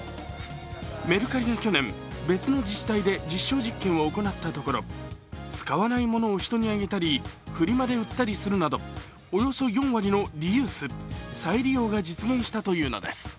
メルカリが去年、別の自治体で実証実験を行ったところ使わないものを人にあげたり、フリマで売ったりするなど、およそ４割のリユース＝再利用が実現したというのです。